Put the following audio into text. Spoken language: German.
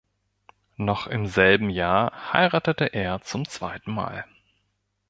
Noch im selben Jahr heiratete er zum zweiten Mal.